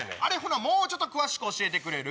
もうちょっと詳しく教えてくれる？